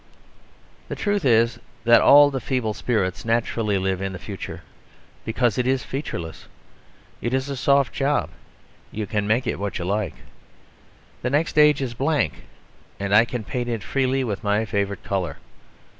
The truth is that all feeble spirits naturally live in the future, because it is featureless; it is a soft job; you can make it what you like. The next age is blank, and I can paint it freely with my favourite colour.